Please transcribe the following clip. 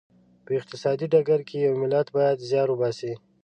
په اقتصادي ډګر کې یو ملت باید زیار وباسي.